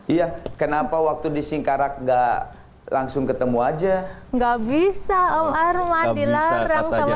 iya kenapa waktu di singkarak gak langsung ketemu aja nggak bisa om arman dilarang sama